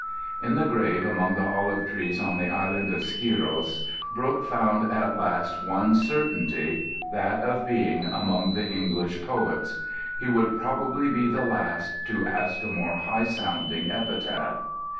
In the grave among the olive trees on the island of Skyros, Brooke found at least one Certainty—that of being "among the English poets." He would probably be the last to ask a more high sounding epitaph.